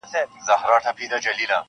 د جهاني دغه غزل دي له نامه ښکلې ده-